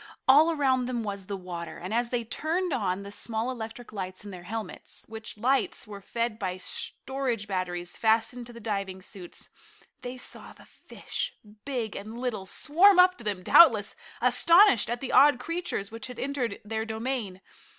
All around them was the water, and as they turned on the small electric lights in their helmets, which lights were fed by storage batteries fastened to the diving suits, they saw the fish, big and little, swarm up to them, doubtless astonished at the odd creatures which had entered their domain.